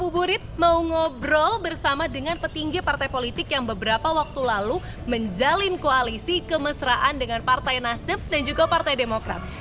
bu rit mau ngobrol bersama dengan petinggi partai politik yang beberapa waktu lalu menjalin koalisi kemesraan dengan partai nasdem dan juga partai demokrat